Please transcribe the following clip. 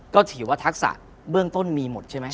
ก็ถือว่าทักษะเบื้องต้นมีหมดใช่ไหม